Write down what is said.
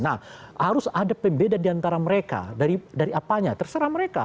nah harus ada pembeda diantara mereka dari apanya terserah mereka